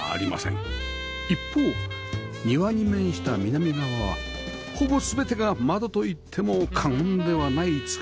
一方庭に面した南側はほぼ全てが窓と言っても過言ではない造り